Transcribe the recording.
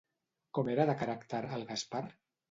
Com era de caràcter el Gaspar?